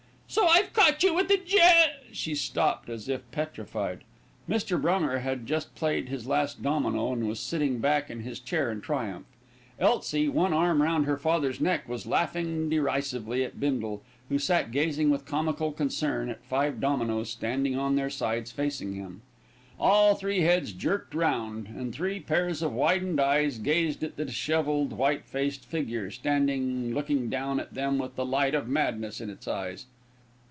"So I've caught you with the Jez " She stopped as if petrified. Mr. Brunger had just played his last domino, and was sitting back in his chair in triumph. Elsie, one arm round her father's neck, was laughing derisively at Bindle, who sat gazing with comical concern at five dominoes standing on their sides facing him. All three heads jerked round, and three pairs of widened eyes gazed at the dishevelled, white faced figure, standing looking down at them with the light of madness in its eyes.